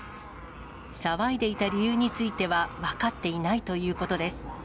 騒いでいた理由については、分かっていないということです。